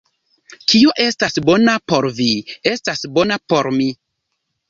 Kio estas bona por vi, estas bona por mi.